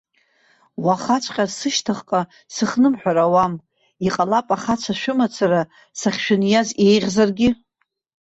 Уахаҵәҟьа сышьҭахьҟа сыхнымҳәыр ауам, иҟалап ахацәа шәымацара сахьшәыниаз еиӷьзаргьы.